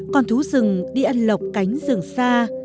con thú rừng đi ăn lọc cánh rừng xa